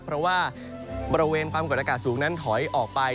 เพราะว่าบริเวณความกดอากาศสูงนั้นถอยออกไป